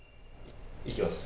いきます。